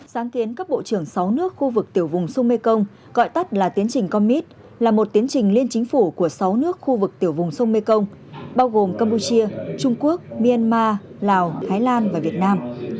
sáng kiến các bộ trưởng sáu nước khu vực tiểu vùng sông mekong gọi tắt là tiến trình commit là một tiến trình liên chính phủ của sáu nước khu vực tiểu vùng sông mekong bao gồm campuchia trung quốc myanmar lào thái lan và việt nam